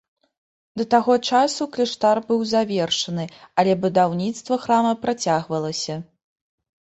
Да таго часу кляштар быў завершаны, але будаўніцтва храма працягвалася.